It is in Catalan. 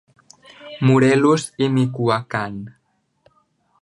Morelos i Michoacán.